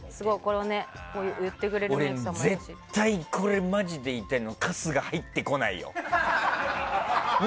俺、絶対にこれマジで言いたいのは春日は入ってこないよ！